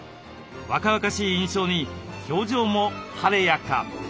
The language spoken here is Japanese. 若々しい印象に表情も晴れやか！